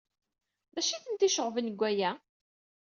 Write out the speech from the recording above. D acu ay tent-iceɣben deg waya?